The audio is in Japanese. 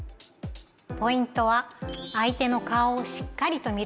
ポイントは相手の顔をしっかりと見ること。